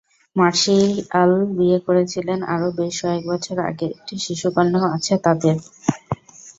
Martial বিয়ে করেছিলেন আরও বেশ কয়েক বছর আগে, একটি শিশুকন্যাও আছে তাঁদের।